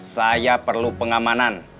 saya perlu pengamanan